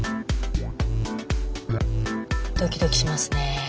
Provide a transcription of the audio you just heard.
ドキドキしますね。